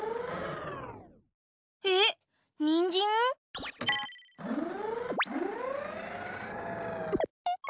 えっにんじん？ピポ。